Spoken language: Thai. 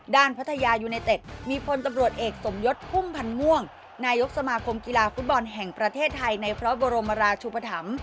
พัทยายูไนเต็ดมีพลตำรวจเอกสมยศพุ่มพันธ์ม่วงนายกสมาคมกีฬาฟุตบอลแห่งประเทศไทยในพระบรมราชุปธรรม